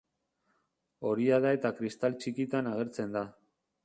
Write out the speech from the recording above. Horia da eta kristal txikitan agertzen da.